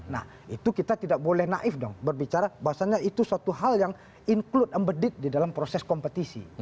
nah itu kita tidak boleh naif dong berbicara bahwasannya itu suatu hal yang include embedik di dalam proses kompetisi